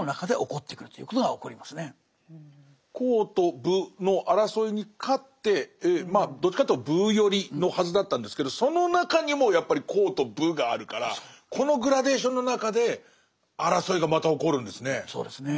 「公」と「武」の争いに勝ってまあどっちかというと「武」寄りのはずだったんですけどその中にもやっぱり「公」と「武」があるからこのグラデーションの中で争いがまた起こるんですね。